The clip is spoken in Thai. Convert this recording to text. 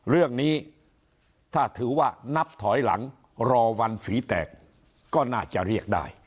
เรื่องนี้ถ้าถือว่านับถอยหลังรอวันฝีแตกก็น่าจะเรียกได้